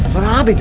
suara apa gitu